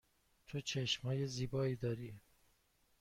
تو چشم های زیبایی داری.